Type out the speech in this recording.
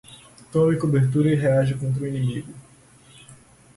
Tome cobertura e reaja contra o inimigo